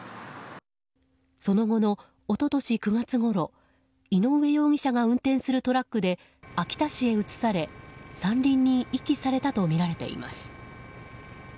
その後の一昨年９月ごろ井上容疑者が運転するトラックで、秋田市へ移され山林に遺棄されたとみられています。